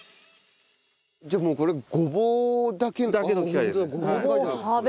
じゃあもうこれごぼうだけの。だけの機械です。